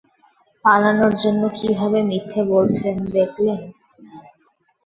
পালানোর জন্য কীভাবে মিথ্যে বলছেন দেখলেন?